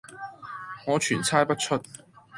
我全猜不出。